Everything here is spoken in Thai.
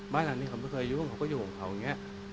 บ้านหลังนี้เขาไม่เคยยุ่งเขาก็อยู่ของเขาอย่างนี้